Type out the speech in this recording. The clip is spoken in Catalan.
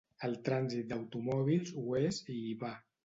El trànsit d'automòbils ho és i hi va.